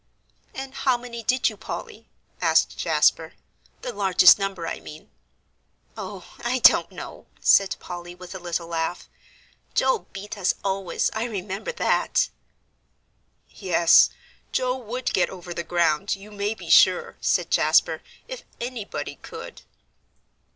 "And how many did you, Polly?" asked Jasper, "the largest number, I mean." "Oh, I don't know," said Polly, with a little laugh; "Joel beat us always, I remember that." "Yes, Joe would get over the ground, you may be sure," said Jasper, "if anybody could."